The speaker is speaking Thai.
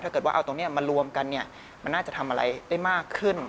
ถ้าเกิดว่าเอาตรงนี้มารวมกันเนี่ยมันน่าจะทำอะไรได้มากขึ้น